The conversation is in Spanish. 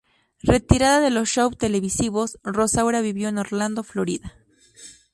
Retirada de los shows televisivos, Rosaura vivió en Orlando, Florida.